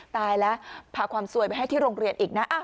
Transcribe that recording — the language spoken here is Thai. ตายแล้วพาความสวยไปให้ที่โรงเรียนอีกนะ